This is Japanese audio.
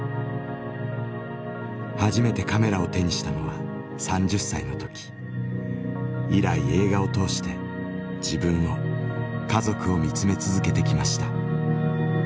初めてカメラを手にしたのは３０歳の時以来映画を通して自分を家族を見つめ続けてきました。